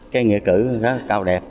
cái nghĩa cử rất là cao đẹp